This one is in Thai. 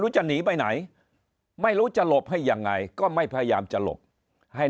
จะหนีไปไหนไม่รู้จะหลบให้ยังไงก็ไม่พยายามจะหลบให้